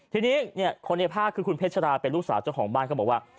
ทีนี้คนในภาพคือคุณเพชราเป็นลูกสาวเจ้าของบ้านเขาบอกว่า